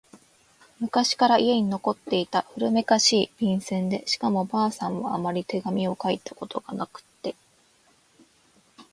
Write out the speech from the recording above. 昔から家に残っていた古めかしい、便箋でしかも婆さんはあまり手紙を書いたことがなくって……